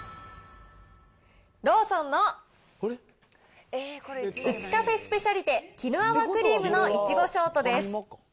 ローソンのウチカフェスペシャリテ絹泡クリームの苺ショート